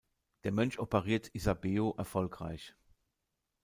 Der Mönch operiert Isabeau erfolgreich.